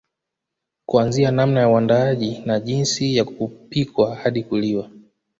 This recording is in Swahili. Kuanzia namna ya uandaaji na jinsi ya kupikwa hadi kuliwa